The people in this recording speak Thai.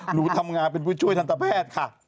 หนูทำงานเป็นผู้ช่วยทันตแพทย์ค่ะ